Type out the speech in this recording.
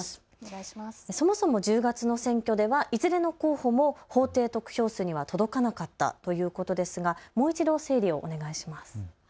そもそも１０月の選挙ではいずれの候補も法定得票数には届かなかったということですがもう一度、整理をお願いします。